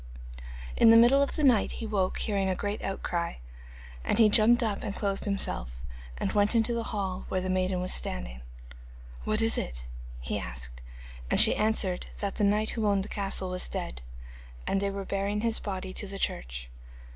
In the middle of the night he woke hearing a great outcry, and he jumped up and clothed himself and went into the hall, where the maiden was standing. 'What is it?' he asked, and she answered that the knight who owned the castle was dead, and they were bearing his body to the church.